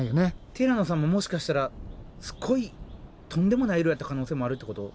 ティラノさんももしかしたらすっごいとんでもない色やった可能性もあるってこと？